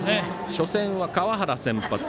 初戦は川原が先発。